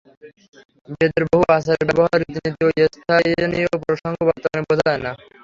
বেদের বহু আচার-ব্যবহার, রীতি-নীতি ও স্থানীয় প্রসঙ্গ বর্তমানে বোঝা যায় না।